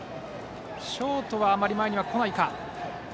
ショートはあまり前に来ないか。